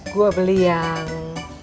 gue beli yang